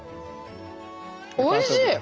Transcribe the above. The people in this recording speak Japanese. おいしい！